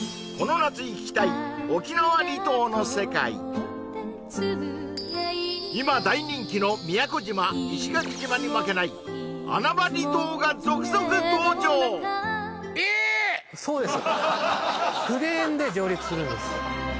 これ今大人気の宮古島石垣島に負けない穴場離島が続々登場そうです